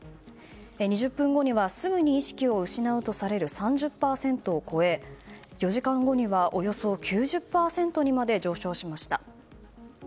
２０分後にはすぐに意識を失うとされる３０％を超え、４時間後にはおよそ９０％にまで上昇しました。